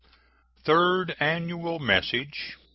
THIRD ANNUAL MESSAGE.